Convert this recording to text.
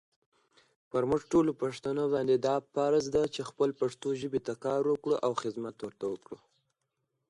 چې خپل زخمونه پرې ټکور کړي.